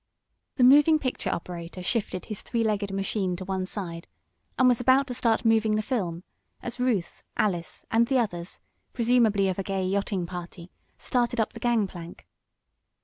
The moving picture operator shifted his three legged machine to one side, and was about to start moving the film, as Ruth, Alice and the others, presumably of a gay yachting party, started up the gang plank.